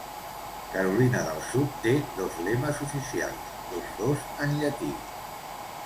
Carolina del Sud té dos lemes oficials, tots dos en llatí.